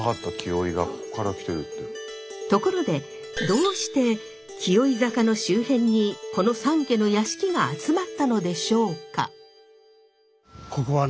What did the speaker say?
ところでどうして紀尾井坂の周辺にこの三家の屋敷が集まったのでしょうか？